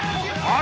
あ。